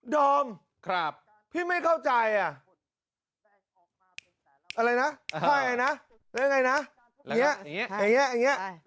ดอมพี่ไม่เข้าใจอ่ะอะไรนะใช่นะแล้วยังไงนะอย่างนี้อย่างนี้